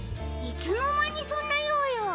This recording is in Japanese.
いつのまにそんなよういを？